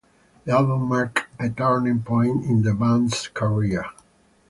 The album marks a turning point in the band's career.